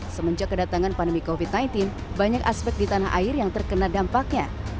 semenjak kedatangan pandemi covid sembilan belas banyak aspek di tanah air yang terkena dampaknya